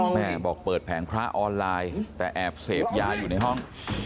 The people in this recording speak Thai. แม่บอกเปิดแผงพระออนไลน์แต่แอบเสพยาอยู่ในห้อง